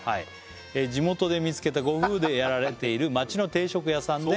地元で見つけたご夫婦でやられている街の定食屋さんでそうなの？